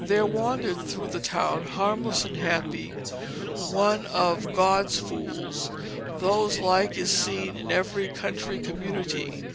There wandered through the town, harmless and happy, one of "God's fools," whose like is seen in every country community.